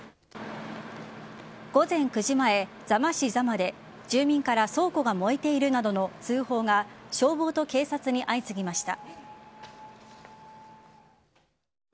午前９時前、座間市座間で住民から倉庫が燃えているなどの通報が消防と警察に相次ぎました。